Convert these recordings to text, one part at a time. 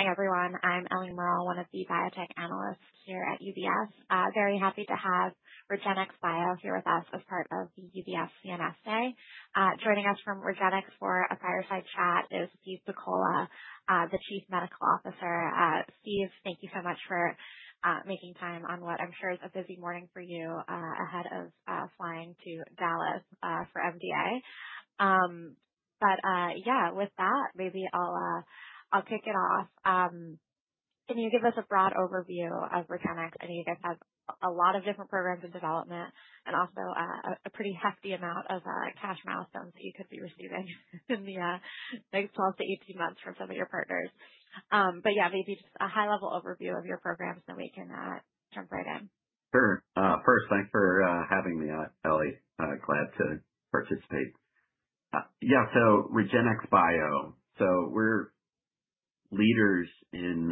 Hi everyone, I'm Ellie Merle, one of the biotech analysts here at UBS. Very happy to have REGENXBIO here with us as part of the UBS CNS Day. Joining us from REGENXBIO for a fireside chat is Steve Pakola, the Chief Medical Officer. Steve, thank you so much for making time on what I'm sure is a busy morning for you ahead of flying to Dallas for MDA. With that, maybe I'll kick it off. Can you give us a broad overview of REGENXBIO? I know you guys have a lot of different programs in development and also a pretty hefty amount of cash milestones that you could be receiving in the next 12 to 18 months from some of your partners. Maybe just a high-level overview of your programs and then we can jump right in. Sure. First, thanks for having me, Ellie. Glad to participate. Yeah, so REGENXBIO. We're leaders in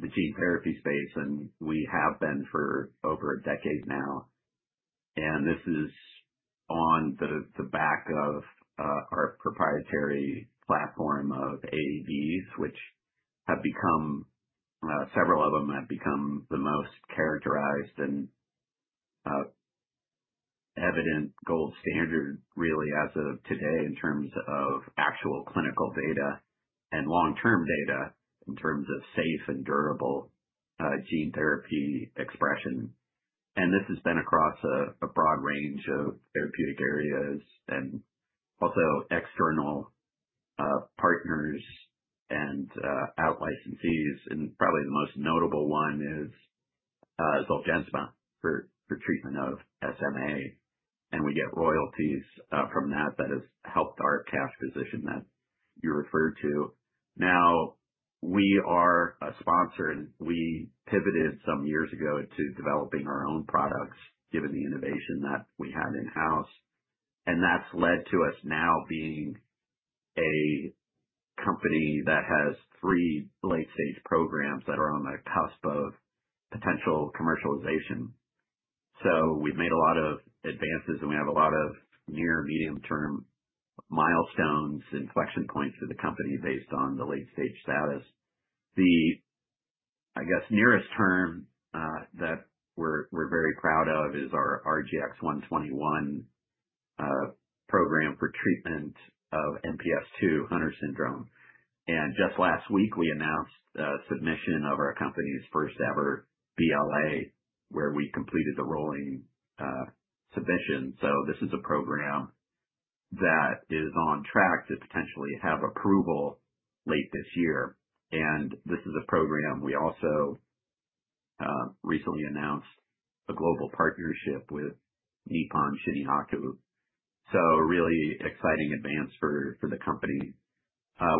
the gene therapy space, and we have been for over a decade now. This is on the back of our proprietary platform of AAVs, which have become, several of them, the most characterized and evident gold standard, really, as of today in terms of actual clinical data and long-term data in terms of safe and durable gene therapy expression. This has been across a broad range of therapeutic areas and also external partners and out-licensees. Probably the most notable one is Zolgensma for treatment of SMA. We get royalties from that. That has helped our cash position that you referred to. Now, we are a sponsor, and we pivoted some years ago to developing our own products given the innovation that we had in-house. That's led to us now being a company that has three late-stage programs that are on the cusp of potential commercialization. We've made a lot of advances, and we have a lot of near-medium-term milestones and inflection points for the company based on the late-stage status. The, I guess, nearest term that we're very proud of is our RGX-121 program for treatment of MPS II, Hunter syndrome. Just last week, we announced submission of our company's first-ever BLA, where we completed the rolling submission. This is a program that is on track to potentially have approval late this year. This is a program we also recently announced a global partnership with Nippon Shinyaku. Really exciting advance for the company.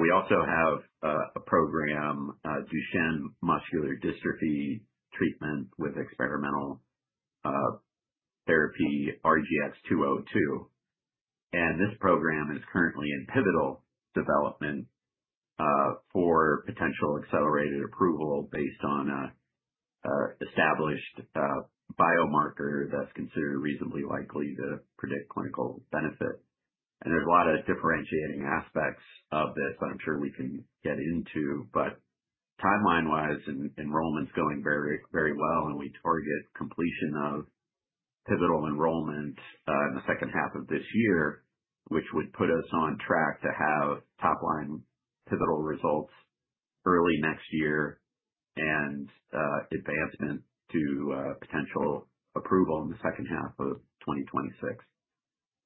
We also have a program, Duchenne Muscular Dystrophy treatment with experimental therapy RGX-202. This program is currently in pivotal development for potential accelerated approval based on an established biomarker that's considered reasonably likely to predict clinical benefit. There are a lot of differentiating aspects of this that I'm sure we can get into. Timeline-wise, enrollment's going very, very well, and we target completion of pivotal enrollment in the second half of this year, which would put us on track to have top-line pivotal results early next year and advancement to potential approval in the second half of 2026.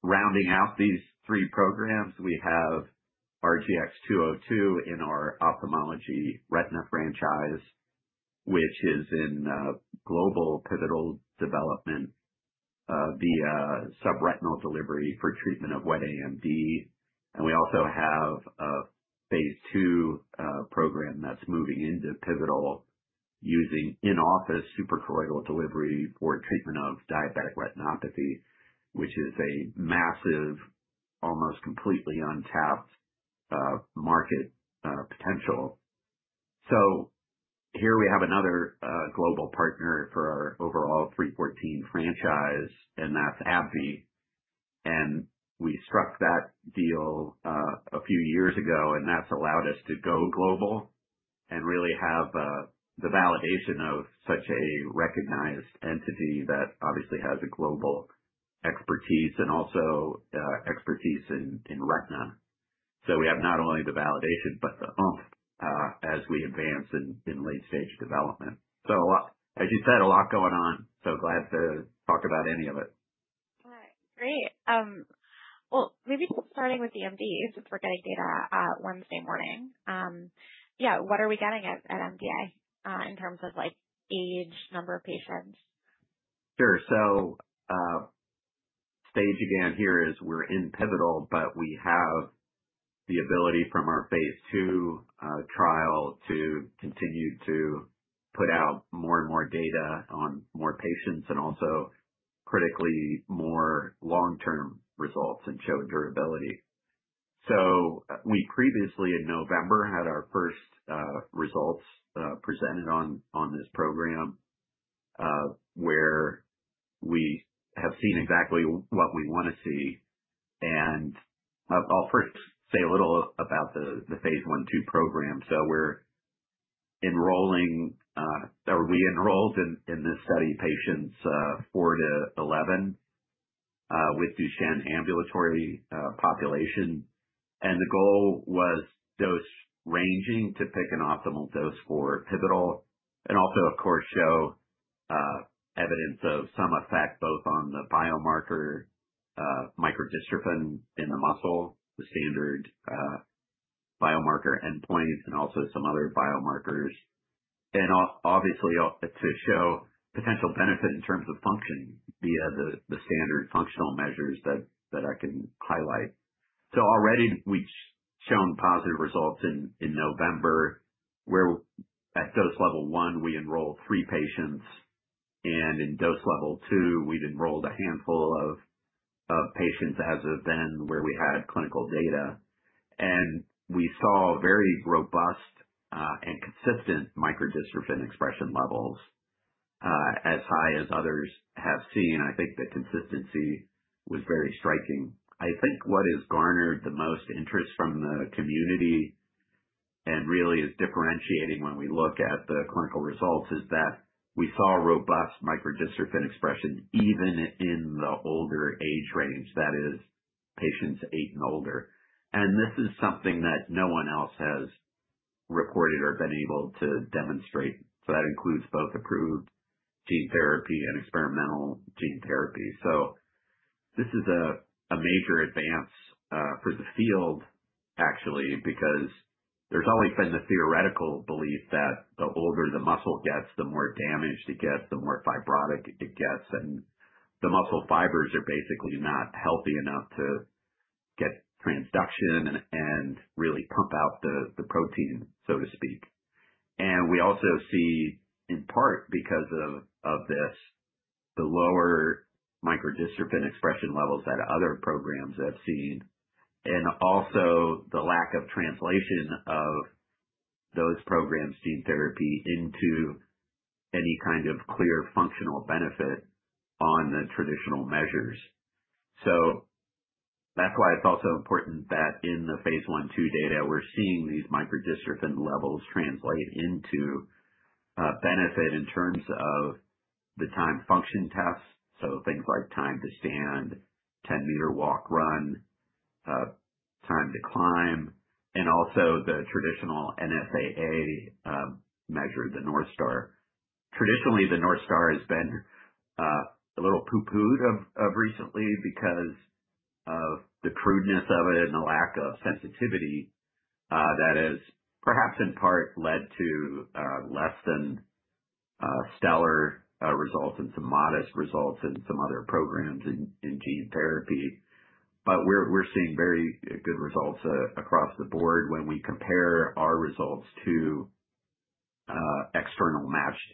Rounding out these three programs, we have RGX-202 in our ophthalmology retina franchise, which is in global pivotal development via subretinal delivery for treatment of wet AMD. We also have a phase two program that's moving into pivotal using in-office suprachoroidal delivery for treatment of diabetic retinopathy, which is a massive, almost completely untapped market potential. Here we have another global partner for our overall 314 franchise, and that's AbbVie. We struck that deal a few years ago, and that's allowed us to go global and really have the validation of such a recognized entity that obviously has a global expertise and also expertise in retina. We have not only the validation, but the oomph as we advance in late-stage development. As you said, a lot going on. Glad to talk about any of it. All right. Great. Maybe just starting with the MD since we're getting data Wednesday morning. Yeah, what are we getting at MDA in terms of age, number of patients? Sure. Stage again here is we're in pivotal, but we have the ability from our phase two trial to continue to put out more and more data on more patients and also critically more long-term results and show durability. We previously, in November, had our first results presented on this program where we have seen exactly what we want to see. I'll first say a little about the phase one two program. We're enrolling or we enrolled in this study patients four to eleven with Duchenne ambulatory population. The goal was dose ranging to pick an optimal dose for pivotal and also, of course, show evidence of some effect both on the biomarker microdystrophin in the muscle, the standard biomarker endpoint, and also some other biomarkers. Obviously, to show potential benefit in terms of function via the standard functional measures that I can highlight. Already, we've shown positive results in November where at dose level one, we enrolled three patients. In dose level two, we'd enrolled a handful of patients as of then where we had clinical data. We saw very robust and consistent microdystrophin expression levels as high as others have seen. I think the consistency was very striking. I think what has garnered the most interest from the community and really is differentiating when we look at the clinical results is that we saw robust microdystrophin expression even in the older age range, that is, patients eight and older. This is something that no one else has reported or been able to demonstrate. That includes both approved gene therapy and experimental gene therapy. This is a major advance for the field, actually, because there's always been the theoretical belief that the older the muscle gets, the more damaged it gets, the more fibrotic it gets. The muscle fibers are basically not healthy enough to get transduction and really pump out the protein, so to speak. We also see, in part because of this, the lower microdystrophin expression levels that other programs have seen, and also the lack of translation of those programs, gene therapy, into any kind of clear functional benefit on the traditional measures. That's why it's also important that in the phase I/II data, we're seeing these microdystrophin levels translate into benefit in terms of the time function tests. Things like time to stand, 10-meter walk, run, time to climb, and also the traditional NSAA measure, the North Star. Traditionally, the North Star has been a little pooh-poohed recently because of the crudeness of it and the lack of sensitivity that has perhaps in part led to less than stellar results and some modest results in some other programs in gene therapy. We are seeing very good results across the board when we compare our results to external matched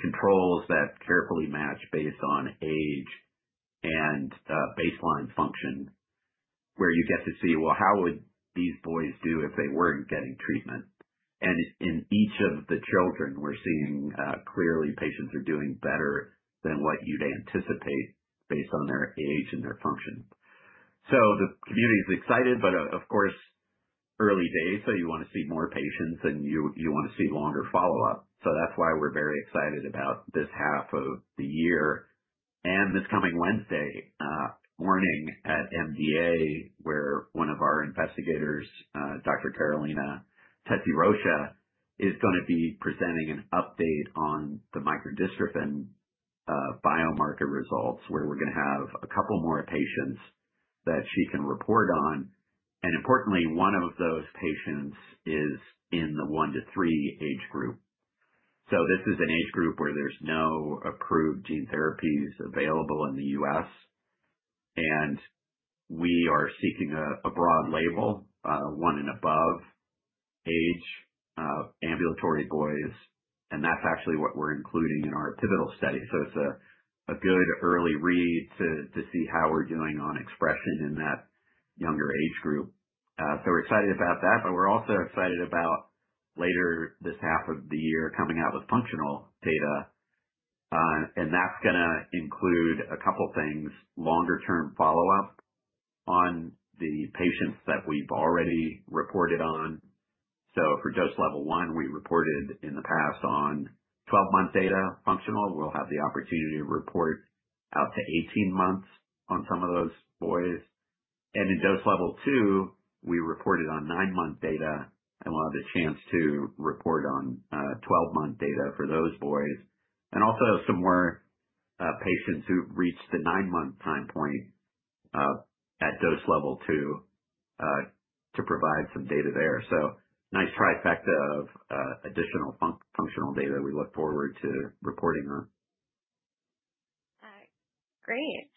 controls that carefully match based on age and baseline function, where you get to see, you know, how would these boys do if they were not getting treatment? In each of the children, we are seeing clearly patients are doing better than what you would anticipate based on their age and their function. The community is excited, of course, early days, you want to see more patients and you want to see longer follow-up. That is why we're very excited about this half of the year and this coming Wednesday morning at MDA where one of our investigators, Dr. Carolina Tetsurosha, is going to be presenting an update on the microdystrophin biomarker results where we're going to have a couple more patients that she can report on. Importantly, one of those patients is in the one to three age group. This is an age group where there's no approved gene therapies available in the U.S. We are seeking a broad label, one and above age, ambulatory boys. That is actually what we're including in our pivotal study. It is a good early read to see how we're doing on expression in that younger age group. We're excited about that, but we're also excited about later this half of the year coming out with functional data. That's going to include a couple of things: longer-term follow-up on the patients that we've already reported on. For dose level one, we reported in the past on 12-month data functional. We'll have the opportunity to report out to 18 months on some of those boys. In dose level two, we reported on nine-month data and we'll have the chance to report on 12-month data for those boys. Also, some more patients who've reached the nine-month time point at dose level two to provide some data there. Nice trifecta of additional functional data we look forward to reporting on. All right. Great.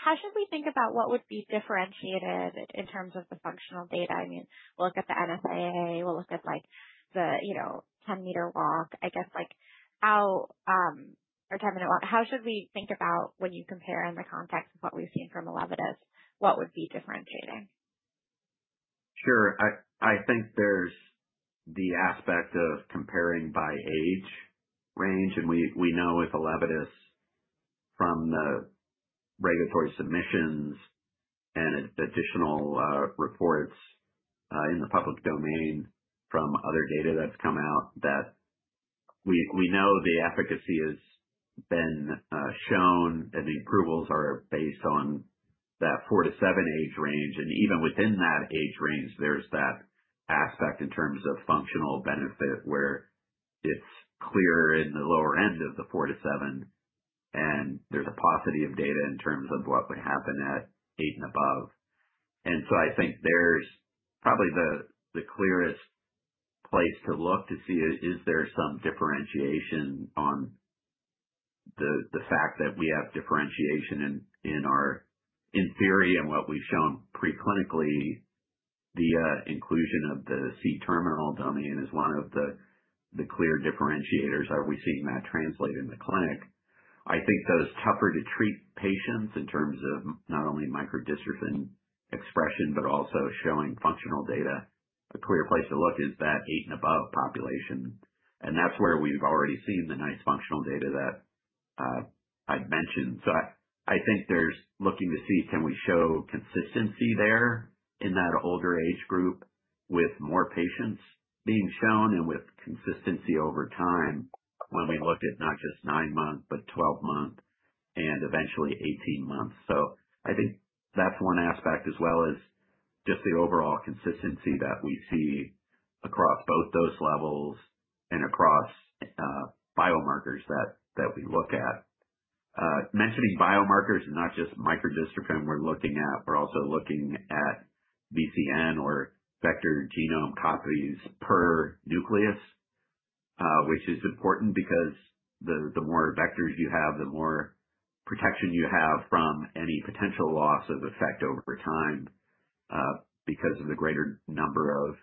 How should we think about what would be differentiated in terms of the functional data? I mean, we'll look at the NSAA. We'll look at the 10-meter walk. I guess how or 10-meter walk, how should we think about when you compare in the context of what we've seen from Elevidys, what would be differentiating? Sure. I think there's the aspect of comparing by age range. We know with Elevidys from the regulatory submissions and additional reports in the public domain from other data that's come out that we know the efficacy has been shown and the approvals are based on that four to seven age range. Even within that age range, there's that aspect in terms of functional benefit where it's clearer in the lower end of the four to seven, and there's a paucity of data in terms of what would happen at eight and above. I think there's probably the clearest place to look to see, is there some differentiation on the fact that we have differentiation in our in theory and what we've shown preclinically, the inclusion of the C-terminal domain is one of the clear differentiators. Are we seeing that translate in the clinic? I think those tougher-to-treat patients in terms of not only microdystrophin expression, but also showing functional data, a clear place to look is that eight and above population. That's where we've already seen the nice functional data that I'd mentioned. I think there's looking to see, can we show consistency there in that older age group with more patients being shown and with consistency over time when we look at not just nine months, but 12 months and eventually 18 months. I think that's one aspect as well as just the overall consistency that we see across both those levels and across biomarkers that we look at. Mentioning biomarkers and not just microdystrophin we're looking at, we're also looking at VCN or vector genome copies per nucleus, which is important because the more vectors you have, the more protection you have from any potential loss of effect over time. Because of the greater number of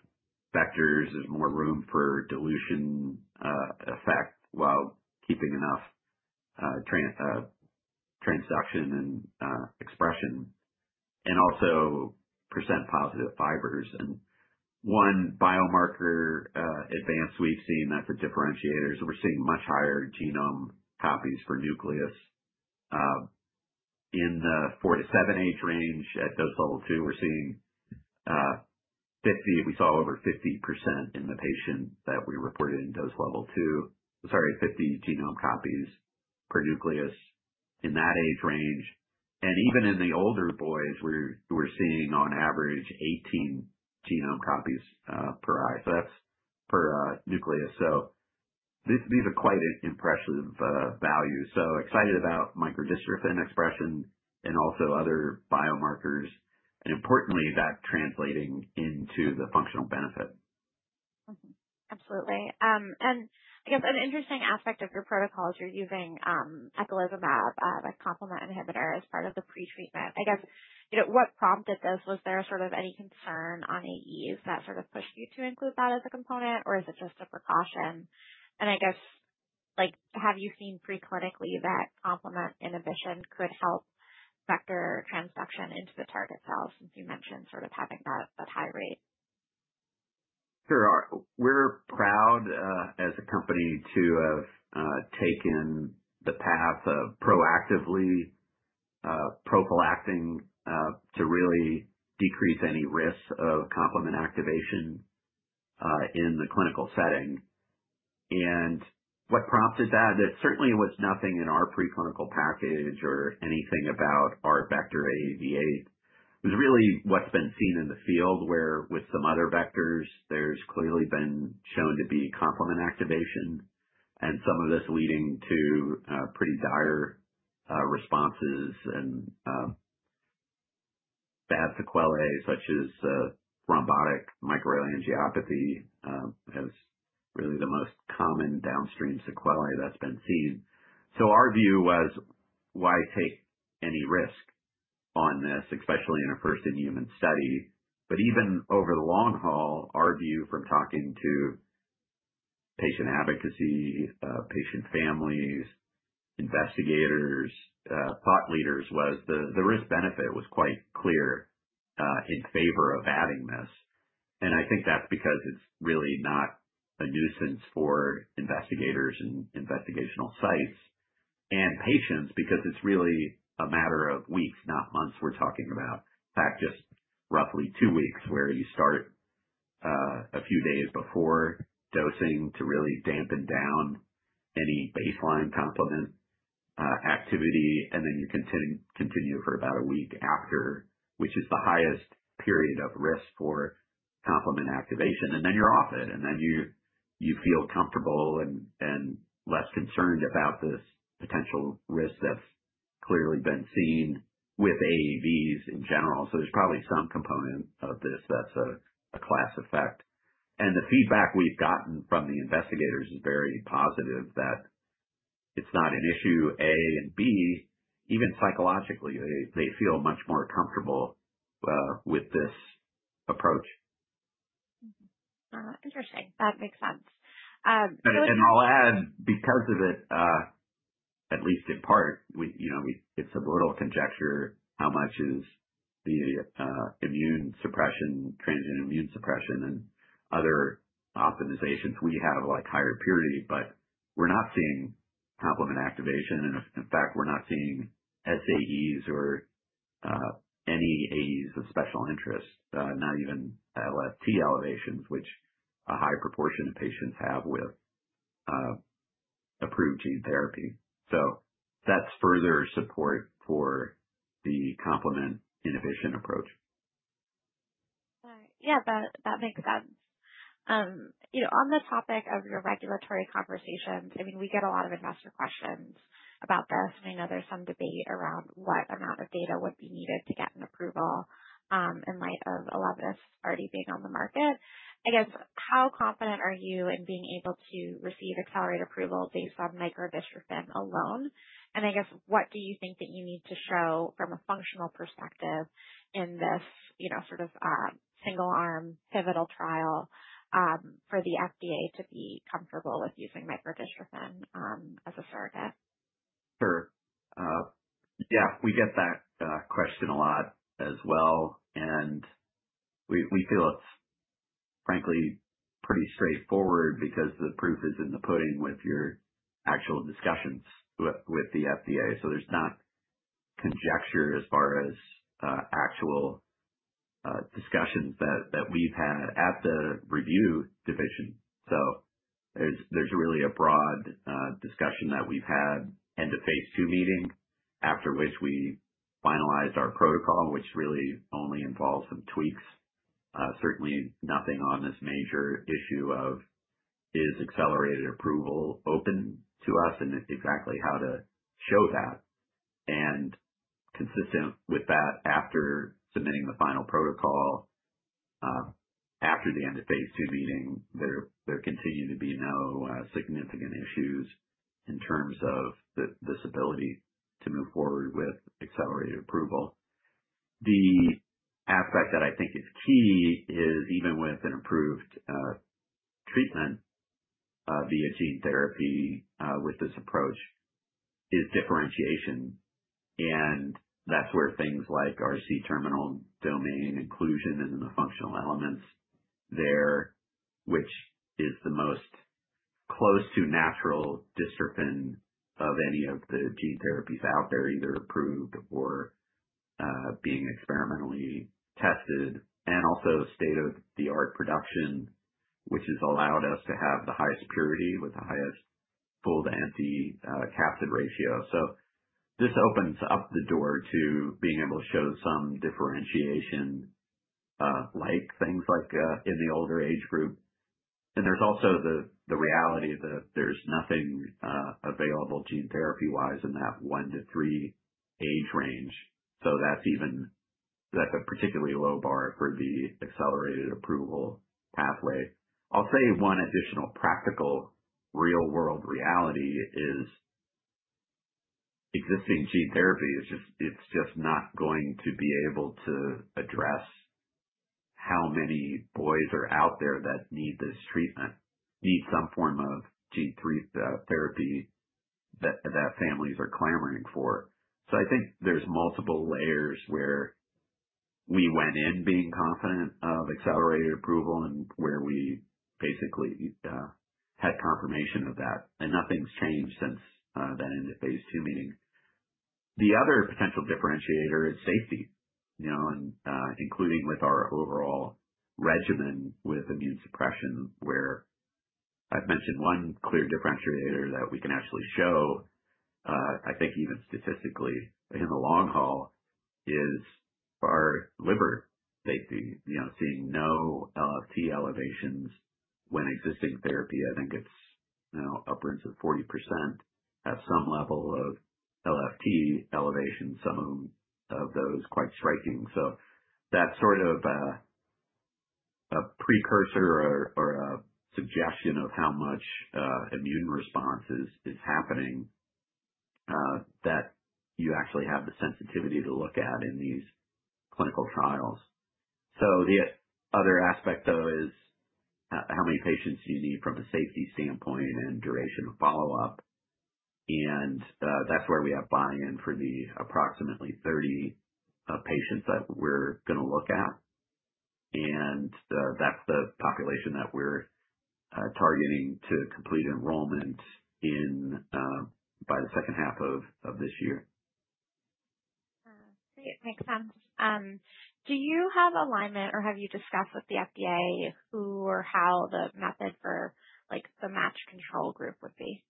vectors, there's more room for dilution effect while keeping enough transduction and expression and also percent positive fibers. One biomarker advance we've seen that's a differentiator is we're seeing much higher genome copies per nucleus. In the four to seven age range at dose level two, we're seeing 50; we saw over 50% in the patient that we reported in dose level two, sorry, 50 genome copies per nucleus in that age range. Even in the older boys, we're seeing on average 18 genome copies per nucleus. These are quite impressive values. Excited about microdystrophin expression and also other biomarkers. Importantly, that's translating into the functional benefit. Absolutely. I guess an interesting aspect of your protocol is you're using eculizumab, a complement inhibitor, as part of the pretreatment. I guess what prompted this? Was there sort of any concern on AEs that sort of pushed you to include that as a component, or is it just a precaution? I guess, have you seen preclinically that complement inhibition could help vector transduction into the target cells since you mentioned sort of having that high rate? Sure. We're proud as a company to have taken the path of proactively prophylacting to really decrease any risks of complement activation in the clinical setting. What prompted that? There certainly was nothing in our preclinical package or anything about our vector AAV8. It was really what's been seen in the field where with some other vectors, there's clearly been shown to be complement activation and some of this leading to pretty dire responses and bad sequelae, such as thrombotic microangiopathy as really the most common downstream sequelae that's been seen. Our view was, why take any risk on this, especially in a first-in-human study? Even over the long haul, our view from talking to patient advocacy, patient families, investigators, thought leaders was the risk-benefit was quite clear in favor of adding this. I think that's because it's really not a nuisance for investigators and investigational sites and patients because it's really a matter of weeks, not months we're talking about. In fact, just roughly two weeks where you start a few days before dosing to really dampen down any baseline complement activity, and then you continue for about a week after, which is the highest period of risk for complement activation. Then you're off it, and you feel comfortable and less concerned about this potential risk that's clearly been seen with AAVs in general. There's probably some component of this that's a class effect. The feedback we've gotten from the investigators is very positive that it's not an issue A and B. Even psychologically, they feel much more comfortable with this approach. Interesting. That makes sense. I'll add, because of it, at least in part, it's a little conjecture how much is the immune suppression, transient immune suppression, and other optimizations we have like higher purity, but we're not seeing complement activation. In fact, we're not seeing SAEs or any AEs of special interest, not even LFT elevations, which a high proportion of patients have with approved gene therapy. That's further support for the complement inhibition approach. Yeah, that makes sense. On the topic of your regulatory conversations, I mean, we get a lot of investor questions about this. I know there's some debate around what amount of data would be needed to get an approval in light of Elevidys already being on the market. I guess, how confident are you in being able to receive accelerated approval based on microdystrophin alone? I guess, what do you think that you need to show from a functional perspective in this sort of single-arm pivotal trial for the FDA to be comfortable with using microdystrophin as a surrogate? Sure. Yeah, we get that question a lot as well. We feel it's, frankly, pretty straightforward because the proof is in the pudding with your actual discussions with the FDA. There's not conjecture as far as actual discussions that we've had at the review division. There's really a broad discussion that we've had end-of-phase two meeting, after which we finalized our protocol, which really only involves some tweaks. Certainly, nothing on this major issue of, is accelerated approval open to us and exactly how to show that. Consistent with that, after submitting the final protocol, after the end-of-phase two meeting, there continue to be no significant issues in terms of the stability to move forward with accelerated approval. The aspect that I think is key is even with an approved treatment via gene therapy with this approach is differentiation. That is where things like our C-terminal domain inclusion and the functional elements there, which is the most close to natural dystrophin of any of the gene therapies out there, either approved or being experimentally tested, and also state-of-the-art production, which has allowed us to have the highest purity with the highest full-to-empty capsid ratio. This opens up the door to being able to show some differentiation-like things in the older age group. There is also the reality that there is nothing available gene therapy-wise in that one to three age range. That is a particularly low bar for the accelerated approval pathway. I'll say one additional practical real-world reality is existing gene therapy, it's just not going to be able to address how many boys are out there that need this treatment, need some form of gene therapy that families are clamoring for. I think there's multiple layers where we went in being confident of accelerated approval and where we basically had confirmation of that. Nothing's changed since that end-of-phase two meeting. The other potential differentiator is safety, including with our overall regimen with immune suppression, where I've mentioned one clear differentiator that we can actually show, I think even statistically in the long haul, is our liver safety, seeing no LFT elevations when existing therapy, I think it's upwards of 40%, have some level of LFT elevation, some of those quite striking. That's sort of a precursor or a suggestion of how much immune response is happening that you actually have the sensitivity to look at in these clinical trials. The other aspect, though, is how many patients do you need from a safety standpoint and duration of follow-up. That's where we have buy-in for the approximately 30 patients that we're going to look at. That's the population that we're targeting to complete enrollment in by the second half of this year. Great. Makes sense. Do you have alignment or have you discussed with the FDA who or how the method for the match control group would be?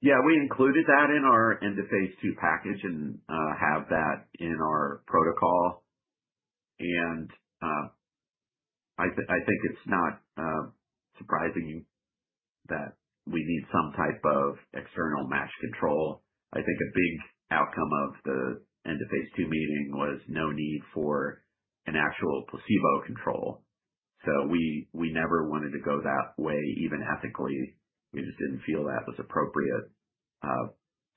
Yeah, we included that in our end-of-phase two package and have that in our protocol. I think it's not surprising that we need some type of external match control. I think a big outcome of the end-of-phase two meeting was no need for an actual placebo control. We never wanted to go that way, even ethically. We just didn't feel that was appropriate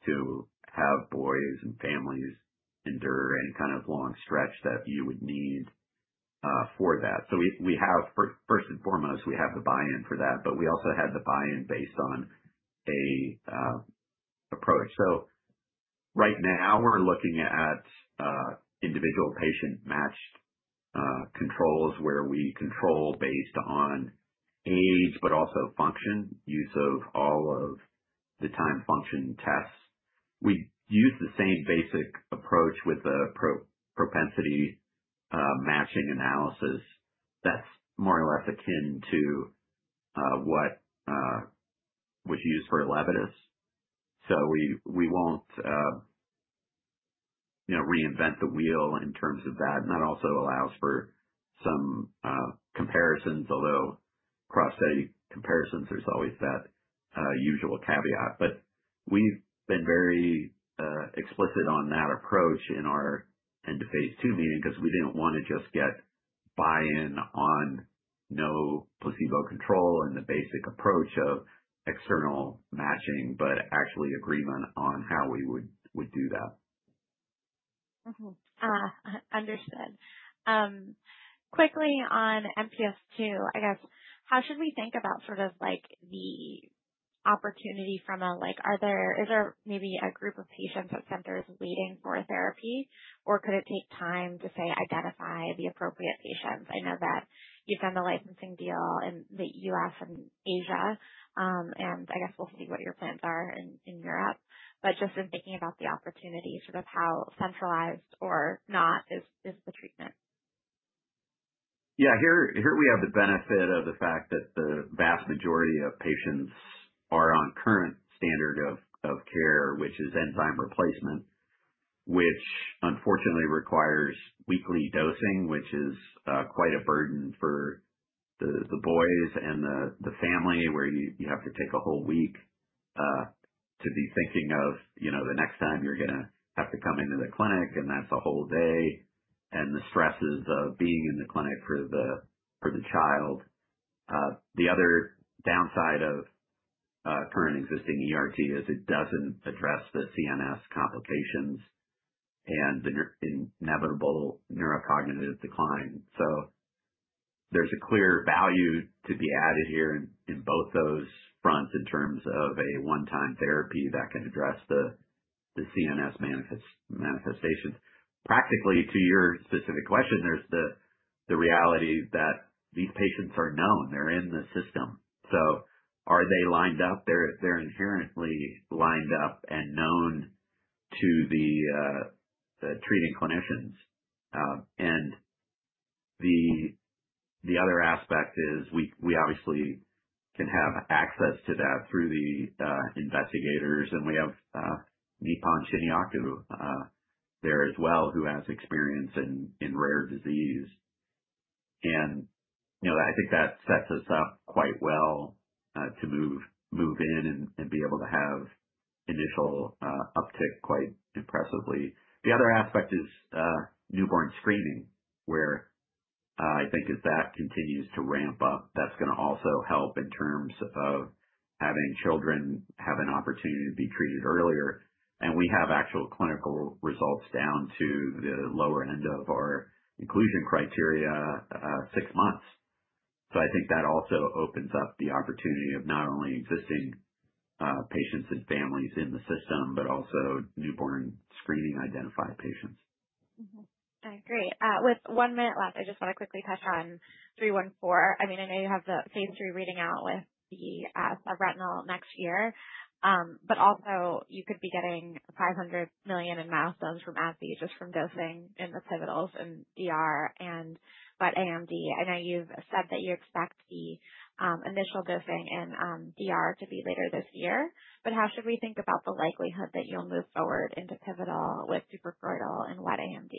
to have boys and families endure any kind of long stretch that you would need for that. First and foremost, we have the buy-in for that, but we also had the buy-in based on an approach. Right now, we're looking at individual patient matched controls where we control based on age, but also function, use of all of the time function tests. We use the same basic approach with the propensity matching analysis. That's more or less akin to what was used for Elevidys. We won't reinvent the wheel in terms of that. That also allows for some comparisons, although cross-study comparisons, there's always that usual caveat. We've been very explicit on that approach in our end-of-phase two meeting because we didn't want to just get buy-in on no placebo control and the basic approach of external matching, but actually agreement on how we would do that. Understood. Quickly on MPS II, I guess, how should we think about sort of the opportunity from a is there maybe a group of patients at centers waiting for therapy, or could it take time to, say, identify the appropriate patients? I know that you've done the licensing deal in the U.S. and Asia. I guess we'll see what your plans are in Europe. Just in thinking about the opportunity, sort of how centralized or not is the treatment? Yeah, here we have the benefit of the fact that the vast majority of patients are on current standard of care, which is enzyme replacement, which unfortunately requires weekly dosing, which is quite a burden for the boys and the family, where you have to take a whole week to be thinking of the next time you're going to have to come into the clinic, and that's a whole day, and the stresses of being in the clinic for the child. The other downside of current existing ERT is it doesn't address the CNS complications and the inevitable neurocognitive decline. There is a clear value to be added here in both those fronts in terms of a one-time therapy that can address the CNS manifestations. Practically, to your specific question, there's the reality that these patients are known. They're in the system. So are they lined up? They're inherently lined up and known to the treating clinicians. The other aspect is we obviously can have access to that through the investigators. We have Nippon Shinyaku there as well, who has experience in rare disease. I think that sets us up quite well to move in and be able to have initial uptick quite impressively. The other aspect is newborn screening, where I think as that continues to ramp up, that's going to also help in terms of having children have an opportunity to be treated earlier. We have actual clinical results down to the lower end of our inclusion criteria, six months. I think that also opens up the opportunity of not only existing patients and families in the system, but also newborn screening identified patients. Great. With one minute left, I just want to quickly touch on 314. I mean, I know you have the phase three reading out with the subretinal next year. Also, you could be getting $500 million in milestones from AbbVie just from dosing in the pivotals in DR and wet AMD. I know you've said that you expect the initial dosing in DR to be later this year. How should we think about the likelihood that you'll move forward into pivotal with suprachoroidal and wet AMD?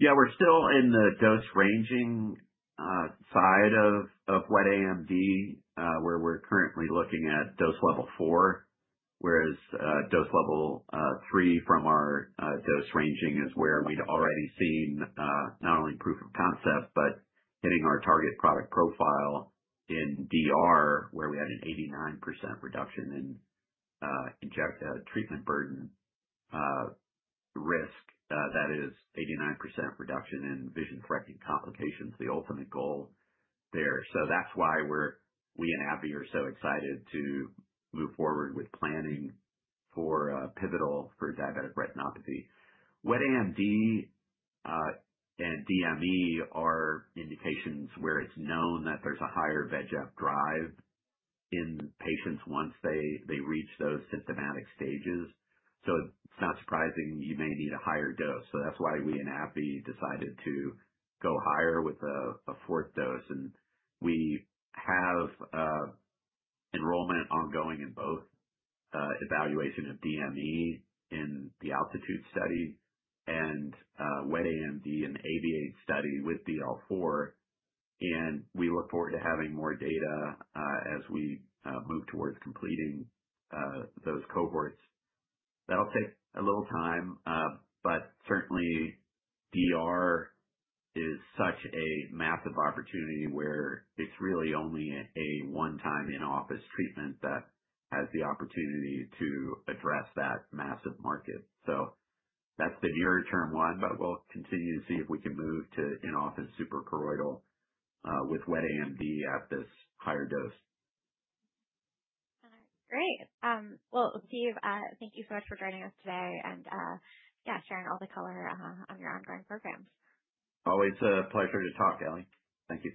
Yeah, we're still in the dose ranging side of wet AMD, where we're currently looking at dose level 4, whereas dose level 3 from our dose ranging is where we'd already seen not only proof of concept, but hitting our target product profile in DR, where we had an 89% reduction in treatment burden risk. That is 89% reduction in vision-threatening complications, the ultimate goal there. That's why we in AbbVie are so excited to move forward with planning for pivotal for diabetic retinopathy. Wet AMD and DME are indications where it's known that there's a higher VEGF drive in patients once they reach those symptomatic stages. It's not surprising you may need a higher dose. That's why we in AbbVie decided to go higher with a fourth dose. We have enrollment ongoing in both evaluation of DME in the ALTITUDE study and wet AMD in the ABBV-RGX-314 study with DL4. We look forward to having more data as we move towards completing those cohorts. That will take a little time. DR is such a massive opportunity where it is really only a one-time in-office treatment that has the opportunity to address that massive market. That is the near-term one, but we will continue to see if we can move to in-office suprachoroidal with wet AMD at this higher dose. All right. Great. Steve, thank you so much for joining us today and, yeah, sharing all the color on your ongoing programs. Always a pleasure to talk, Ellie. Thank you.